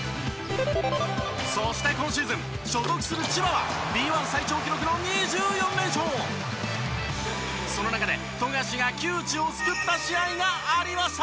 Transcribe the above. そして今シーズン所属する千葉はその中で富樫が窮地を救った試合がありました！